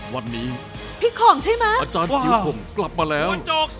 วันนี้อาจารย์กิวผมกลับมาแล้ว